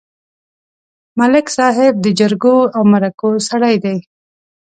ملک صاحب د جرګو او مرکو سړی دی.